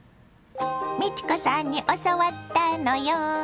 美智子さんに教わったのよ。